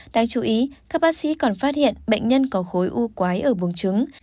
đáng chú ý các bác sĩ còn phát hiện bệnh nhân có khối u quái ở buồng trứng